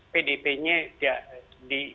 pdp nya di